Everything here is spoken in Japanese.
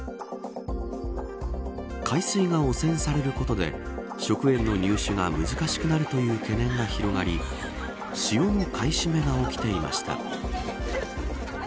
海水が汚染されることで食塩の入手が難しくなるという懸念が広がり塩の買い占めが起きていました。